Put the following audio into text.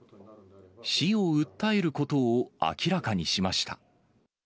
市を訴えることを明らかにしました。